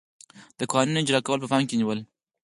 د قوانینو اجرا کول په پام کې نیول.